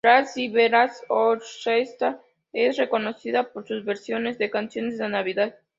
Trans-Siberian Orchestra es reconocida por sus versiones de canciones de Navidad.